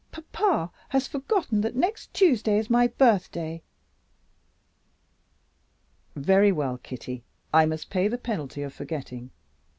"Papa has forgotten that next Tuesday is my birthday!" "Very well, Kitty; I must pay the penalty of forgetting.